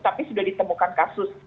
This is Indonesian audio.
tapi sudah ditemukan kasus